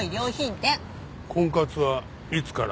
婚活はいつから？